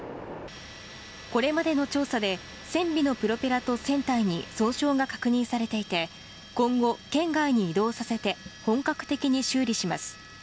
これまでの調査で船尾のプロペラと船体に損傷が確認されていて今後、県外に移動させて本格的に修理します。